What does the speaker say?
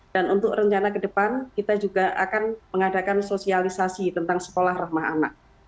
dan untuk rencana ke depan kita juga akan mengadakan sosialisasi tentang sekolah rahma anak